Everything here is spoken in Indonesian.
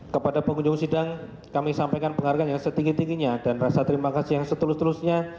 kepada pengunjung sidang kami sampaikan penghargaan yang setinggi tingginya dan rasa terima kasih yang setulus tulusnya